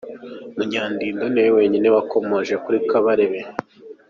Munyandinda niwe wenyine wakomoje kuri Kabarebe